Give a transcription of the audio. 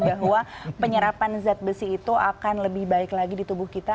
bahwa penyerapan zat besi itu akan lebih baik lagi di tubuh kita